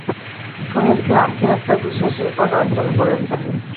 শুনেছি আপনি একটা বিশেষ রেকর্ড অর্জন করেছেন।